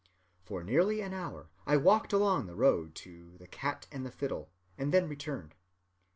For nearly an hour I walked along the road to the 'Cat and Fiddle,' and then returned.